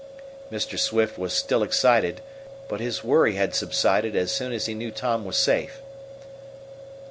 Mr. Swift was still excited, but his worry had subsided as soon as he knew Tom was safe.